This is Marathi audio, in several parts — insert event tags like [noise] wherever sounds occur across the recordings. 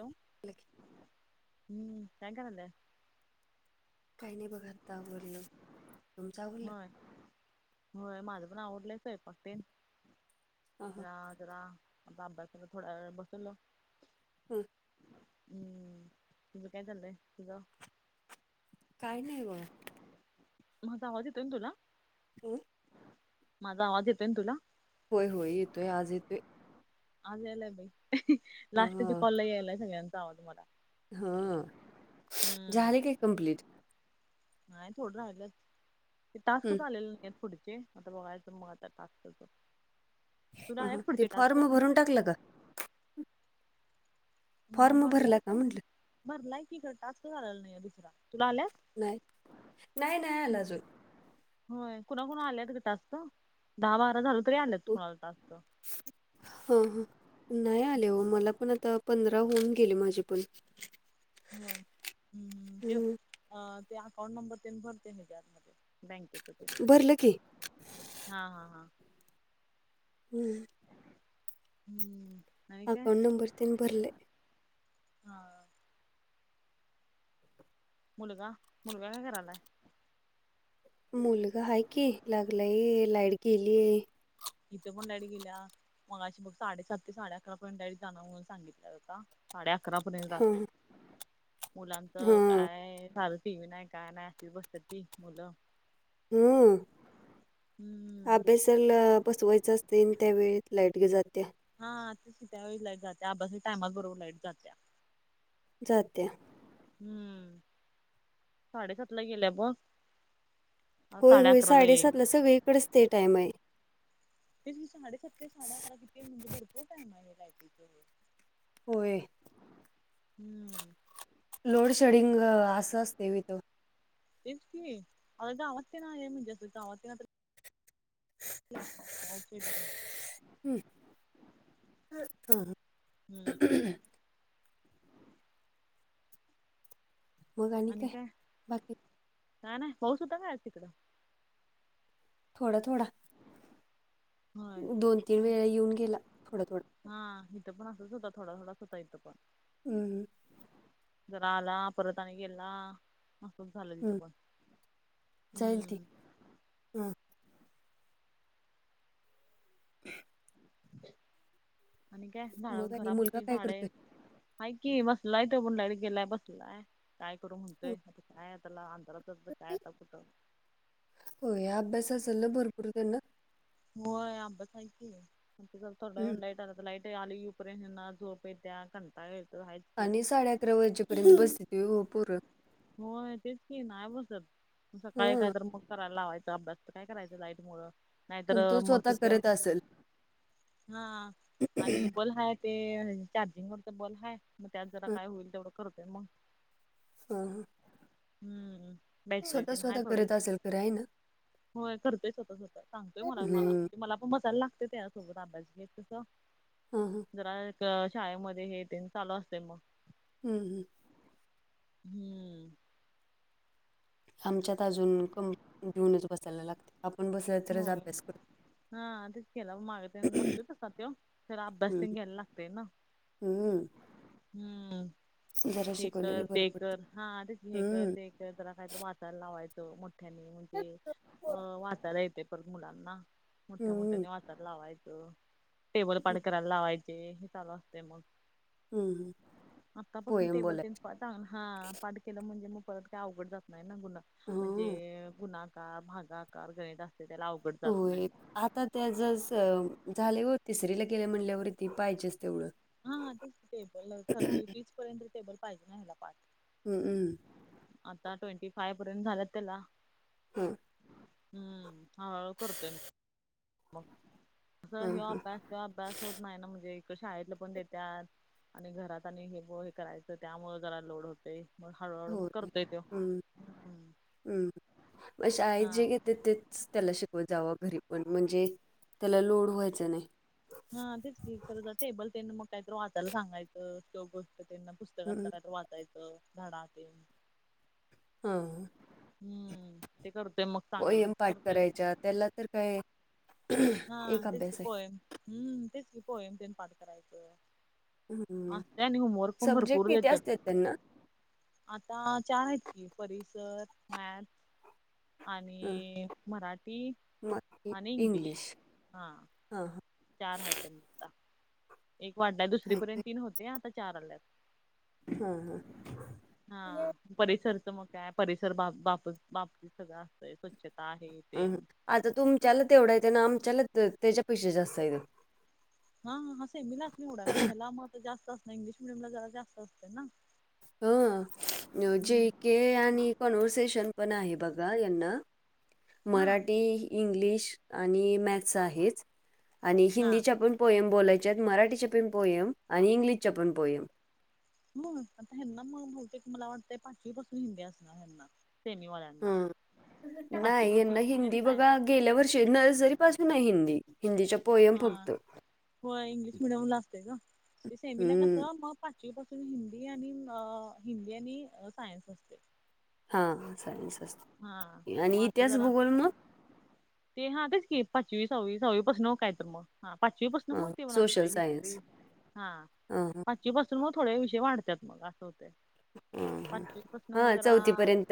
हॅलो [inaudible] हम्म काय करायल्या? काही नाही बघ आता आवरलं, तुमचं आवरलं? होय होय माझं पण आवरलंय, स्वयंपाक ते हा हा जरा जरा. आता आब्यासाला थोड्या वेळ बसवल. हम. हम्म, तुझं काय चाललंय तुझ? काही नाही व. माझा आवाज येतोय ना तुला? हम्म. माझा आवाज येतोयन तुला? होय होय येतोय, आज येतोय. आज यायलाय बाई, ह लास्टच्या कॉलला यायलाय सगळ्यांचा आवज मला. हं झाले कि कम्प्लीट. नाय थोडं राहिलेत, ते टास्क हम्म च आलेले नाय पुढचे. आता बघायचं, मग आता टास्कच तुला आहे ह ते पुढचे टास्क? फॉर्म टाकलं का? हम्म फॉर्म भरला भरलाय का पण म्हंटलं? भरलाय की ग टास्कच आला नई दुसरा, तुला आलाय? नाय, नाय नाय आला अजून. होय कुणा कुणाला आल्यात ग टास्क? दहा बारा झालं तरी आल्यात कुणाला टास्क. हं हम्म. नाय आले ओ मला पण आता, पंधरा होऊन गेले माझे पण. होय ह्म् ते हं, अ ते अकाउंट नंबर ते न भरते मी खात्यात. बँकेत च भरलं की हा हा हा. हम्म. हम्म. अकाऊंट नंबर तेन भरलय. मुलगा. मुलगा काय करायलायं? मुलगा हा की. लागलाय लाईट गेलीय. इथ पण लाईट गेल्या. मगाशी मग साडेसात ते साडे अकरा पर्यंत लाईट जाणंर म्हणून सांगितल्यात आता. साडे अकरापर्यंत हा रात्री. मुलांचं हा काय का. ल टी वी नाय काय नाय अशीच बसत्यात ती मुलं. हम्म. हा हम्म. बेस [unintelligible] बसवायचं असतयं आणि त्यावेळेत लाईट जात्या. हा. [unintelligible] त्यावेळी लाईट जात्या. आभासनी टायमात बरोबर लाईट जात्या. जात्या. हम्म. साडेसातला गेल्या ब. होय. होय. येई साडेसातला सगळीकडंच ते टाइम हाय. तेच साडेसात ते साडे अकरा किती म्हणजे भरपूर टाइम हाय मग लाइटचं. होय. हम्म. लोड शेडिंग असं असतयं होय तो. ते की. आता गावात तेन आहे म्हणजे असं गावात तेन अस आप [unintelligible] हां हम्म. मग आणि काय बाकी? काय नाय. पाऊस होता काय आज तिकडं? थोडा. थोडा. होय दोन, तीन वेळा येऊन गेला थोडं थोडं. हा. इथं पण असंच होता. थोडा थोडाच होता इथं पण. हमं. जरा आला परत आणि गेला. असच झालं तिथं हम्म पण. हम्म. हम. [inaudible] आणि काय झाड मग आणि मुलगा घरापशी काय करतोय? झाडेत. हा की बसलाय तो [unintelligible] गेलाय बसलाय. काय करू म्हणतोय. आता काय - - त्याला अंधारातच बसायं आता कुठं? होय. अभ्यास असल ना भरपूर त्यांना? होय. अभ्यास हाय कि आता जरा थोड्या हम्म वेळानं लाईट आला तर लाईट- - आली उपर झोप येत्या. कंटाळ येतोयं. आणि साडे अकरा वाजेपर्यंत बसित ओ पोर. होय. तेच की नाय बसत म सकाळी काय हां तर मग कराय लावायचा अभ्यास. काय करायचं लाईट मुळं. नाहीतर पण तो मग स्वतः त्यो. करत असेल. हा. हा आणि बल हाय. ते चार्जिंग वरचा बल हाय मग त्यात जरा हां काय होईल तेवढं करतोय मग. हं. हं. हम्म. बॅटरी तेन हाय स्वतः थोडी. करत असेल खरं आहे ना होय. करतोय स्वतः स्वता सांगतोय मला -मला हम्म. म्हणजे मला पण बसायला लागतय. त्याच्या - - सोबत अभ्यास घेत तिथं. हं. ह. जरा एक शाळेमध्ये हेेतेन चालू असतयं मग. हम्, हम्. हम्म. आमच्यात अजून [unintelligible] घिऊनच बसायला लागतयं. सरळ तरच होय. अभ्यास करतोयं. हा. तेच की माग तेनं बसतोय तसा तो खरं अभ्यास तेनं घ्यायला लागतेय ना. हम. हम्म हे शिकवलेलं कर बरं ते पडतं कर हा आरच हे कर हम्म ते कर जरा काहीत वाताय लावायचं मोठ्यानी म्हणजे अ वााताला येत ते पण मुलांना मोठ्या हम्म, मोठ्याने वाचायला लावायचं टेबल पाड करायला लावायचे हे चालू असते मग हम्म आत्तापासून होय टेबल बोला की तेन हा पाठ केलं म्हणजे मग परत काय अवघड जात नाही ना गुन हां म्हणजे गुणा भागाकार गणित असते त्याला अवघड जात होय नाही आता त्या ज झाल्यावर तिसरीला गेल्या म्हणल्यावरती पाहिजेच तेवढं हा तेच टेबल थर्टी तीस पर्यंत टेबल पाहिजे ना हेला पाठ हमंमं आता ट्वेंटी फाय पर्यंत झालात त्याला हम हम्म हळूहळू करतोय म मग अस हां हो हां अभ्यास तो अभ्यास होत नाही ना म्हणजे इ शाळेतलं पण देत आणि घरात आणि हे हे करायचं त्यामुळ जरा लोड होते हो हम् हम् मा आहेत हा जे घेत्यात त्याला शिकवत जावा घरी पण म्हणजे त्याला लोड व्हायचं नाही हा तेच तर टेबल त्यांना मग काहीत वाचायला सांगायं किं गोष्ट त्यांना घातलं हम्म. काय वाचायचं धडा तन हां हम्म ते करतय मग संगाल पोयम तस पाठ करतय करायच्या त्याला तर काय हा एक तेच की अभ्यास आहे पोयम हम्म तेच की पोयम तेन पाठ करायचं ह हम्म त्यानी होमवर्क प सब्जेक्ट भरपूर किती देतात असतात त्यांना आता चार आहेत की परिसर मॅस्थ ह आणि मराठी आणि इंग्लिश हां ह हा चार आहे त्यां आता एक वाटलाय हा दुसरीपर्यंत तीन होते आता चार आल्यात हा हा. हा परिसरचं मग काय परिसर बा बा बाबतीत सगळं असतय स्वच्छता आहे ते अम आता तुमच्याला तेवढा येत ना आमच्याला ते त्याच्या पेक्षा जास्त हायत हा ह हा सेमीलाच निवढा लाय मग जास्त असत इंग्लिश मिडियमला जरा जास्त असते ना ह जे हम्म के आणि कॉन्व्हर्सेशन पण आहे बघा यांना हा मराठी इंग्लिश आणि मॅथस आहेच आणि हा हिंदीच्या पण पोईम बोलायच्यात मराठीच्या पण पोएम आणि इंग्लिशच्या पण पोयम [unintelligible] हेना बहुतेक हो मला वाटतं पाचवी पासून हिंद असणार हना सेमीवाल्या हा नाही यांना आणि हिंदी बघा सायन्स गेल्यावरर्ष [unintelligible] च नर्सरी पासून हाय हिंदी हिंदीच्या पोयम हा फक्त हो इंग्लिश मिडियम ला असते का ते सेमीला हम्म कसं मग पाचवीपासून हिंदी आणि हिंदी आणि सायन्स असते हा चालेल हा सत मग आणि आता इतिहास जरा भुगोल मग ते हा तेच पाचवी सहावी सहावी पासून हो काय तर मग हा पाचवीपासून ह मोठी पण असते सोशल हिस्ट्री सायन्स हा ह हा पासून मग थोडे विषय वाढतात मग असं होते हा पाचवीपासन मग हा जरा चौथीपर्यंत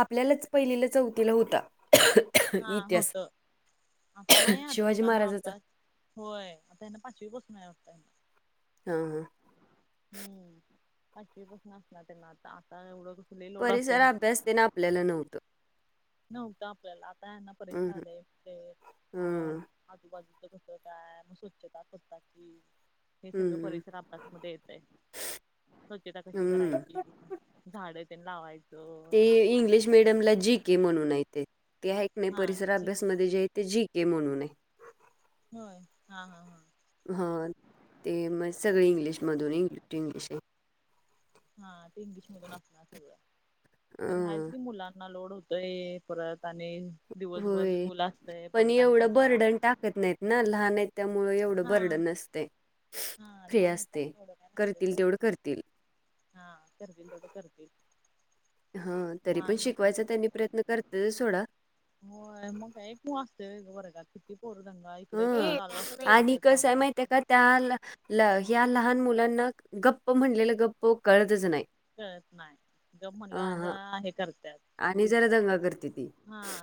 आपल्यालाच पहिलेला चौथीला होता हा इतिहास होत आता नाही आहात शिवाजी मुलांना महाराजाचा अभ्यास होय आता त्यांना पाचवी पासून आहे वाटतय हा हा हम्म पाचवी पासून असतय त्यांना आता आता एवढं कसली लोड असे परिसर ना अभ्यास ते आपल्याला नवत नव्हत आपल्याला आता यांना परिचर हम्म आलेय ते अ हम्म आजूबाजूच कस काय मग स्वच्छता अस असत की हे सगळं हम्म परिसर अभ्यासमध्ये येतंय स्वच्छता कशी हम्म करायची. झाडे तेन लावायच. ते इंग्लिश मिडियमला जी के म्हणून हाय ते ते हाय की नाय हा ठीक आहे. परिसराभ्यासमध्ये जे ते जी के म्हणून हाय होय हा हा हा हा ते म सगळे इंग्लिश मधून इंग्लिश टू इंग्लिश आहे. हा ते इंग्लिश मधून असणार सगळं तर हायच अं, की मुलांना लोड होत य परत आणि दिवसभर होय. स्कूल असतय परत आणि कंटाळा ऐकत नाही ना लहान आहेत. त्यामुळे एवढं हा बर्डन नसतय हा फ्री लहान आहेत असतयं त्यामुळे एवढं काय नसतय करतील सोड तेवढं करतील. हा करतील तेवढं करतील. हा तरी पण लहान शिकवायचा त्यांनी प्रयत्न करत्यातच सोडा. होय मग एक मु असतयं व्हय ग किती पोर दंगा इकड एक हं कालवा असतोय आणि इकडं कसं आहे चालू माहिती आहे असतय. का त्या ल ह्या लहान मुलांना गप्प म्हणलेलं गप्प कळतच नाही. कळत नाही गप अ म्हणलं आणि हां. जरा हे करत्यात आणि जरा दंगा करते ती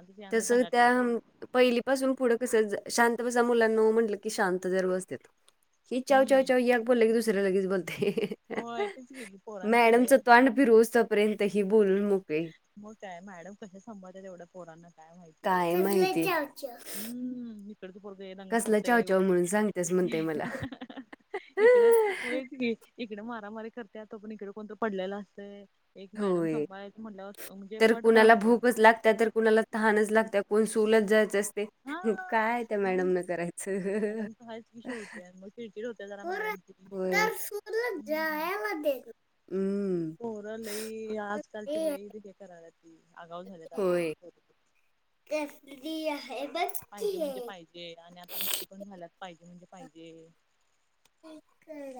तिथे आणि तस जरा दंगा त्या करतात पहिलीपासून पुढं कसं शांत कसा मुलांनो म्हटलं की शांत तर बसत्यात. हि चाव चव हम्म चाव या बोलले की दुसरे लगेच बोलतय. होय तेच गेली पोरांचं लय मॅडमच तोंड फिरवूस तो पर्यंत ही बोलून मोकळी. म काय मॅडम कसे सांभाळत्यात तेवढ्या पोरांना काय माहिती. हम् इकडच पोरगं दंगा कसलं करतय चाव चाव एवढ म्हणून सांगतेस म्हणते मला. इकड होयच की इकड मारामारी करत्यात तो पर्यंत इकड कोणतर पडलेला असतंय. एक मॅडम होय. संभाळायचं म्हटलं म्हणजे पट पण असतं लागंत्या तर कुणाला तहानच लागत्या कोण सु लाच जायचं असते. हा काय त्या मग मॅडम न करायचं. चीडचिड होत्या जरा सूर मॅडमची होय तर सूरला हो जायला दे हम्म मूल लई आजकालची लई हे कराल्यात आगाव झालीत आजकाल ची मूल [unintelligible] हेै बस पाहिजे म्हणजे पाहिजे आणि आता हट्टी पण झाल्यात पाहिजे म्हणजे पाहिजे. इकड.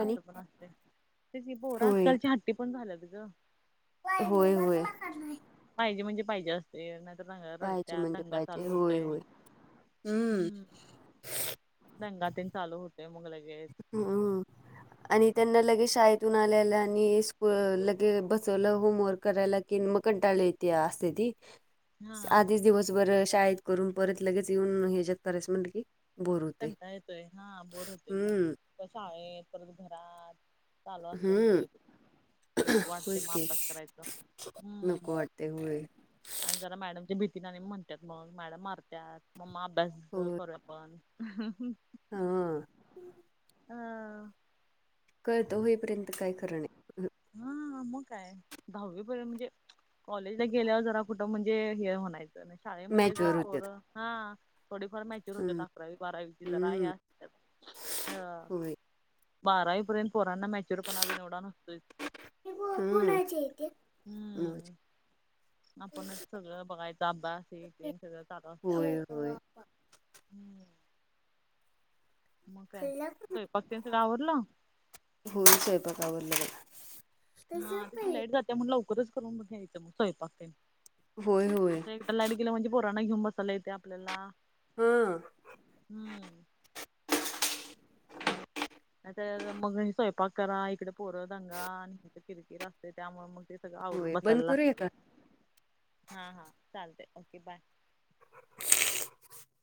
असं पण असतयं तेच की पोर होय आजकालची हट्टी पण झाल्यात ग. होय होय. पाहिजे म्हणजे पाहिजे असतय नाहीतर पाहिजे रडत्यात म्हणजे दंगा चालू पाहिजे होय होतय. होय हम्म दंगा तेन चालू होतय मग लगेच. हम्म आणि त्यांना लगेच शाळेतून आल्याल्या आणि स्कू लगे बसवलं होमवर्क करायला कि म कंटाळले त्या असत्या ती [unintelligible] आधीच दिवसभर शाळेत करून परत लगेच येऊन हेच्यात करायचं म्हणट की. बोर होते कंटाळ येतोय हा बोर होतोय हम्म मग शाळेत परत घरात चालू असतय म हम्म तेचं. नको वाटतयं होयच म की अभ्यास करायचं. हम्म नको वाटते होय आणि जरा मॅडमच्या भीती अणि म्हणतात मग मॅडम मारतत म अभ्यास करू आपण [unintelligible] हां. अ. कळतं होईपर्यंत काय खरं नाही. हां मग काय दहावीपर्यंत म्हंजे कॉलेजला गेल्यावर जरा कुठं म्हंजे हे म्हणायचं शाळेमध्ये ज मॅचवर पोर होत्यात हां थोडीफार मैच्यूअर होतेता. हम्म अकरावी बारावीची जरा आहे हम्म या हो होय बारावी पर्यंत पोरांना मॅच्युअर पणा अजून एवढा नसतोय. हम्म हम्म. आपणच सगळं बघायचं अभ्यास हे ते न सगळं चालू असते होय आपल. होय हम्म. मग काय स्वयपाक ते सगळं आवरलं? हो स्वयंपाक आवरले आहे. हा ते ती लाईट जाते मग लवकरच करून ब घ्यायचं मग स्वयंपाक ते. होय होय. लाईट गेलं म्हंजे पोरांना घेऊन बसायला येते आपल्याला हा हम्म. नाही त मगं स्वयंपाक करा इकडे पोरं दंगा आणि किरकिर असते त्यामुळे मगं ते सगळं आवरून होय बंद बसायला करूया लागते, का हां हां चालते ओके बाय.